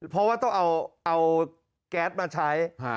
เพราะว่าต้องเอาแก๊สมาใช้